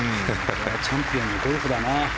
チャンピオンのゴルフだな。